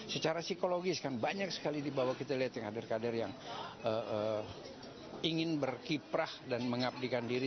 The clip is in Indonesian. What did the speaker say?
secara psikologis kan banyak sekali dibawa kita lihat kader kader yang ingin berkiprah dan mengabdikan diri